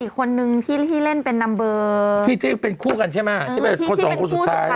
อีกคนนึงที่เล่นเป็นนัมเบอร์ที่เป็นคู่กันใช่ไหมที่เป็นคนสองคนสุดท้าย